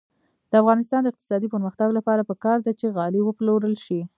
د افغانستان د اقتصادي پرمختګ لپاره پکار ده چې غالۍ وپلورل شي.